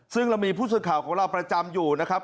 ซึ่งเรามีผู้สื่อข่าวของเราประจำอยู่นะครับ